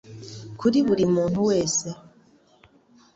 kuri buri muntu wese